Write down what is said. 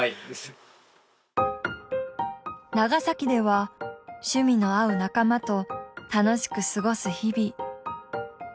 長崎では趣味の合う仲間と楽しく過ごす日々。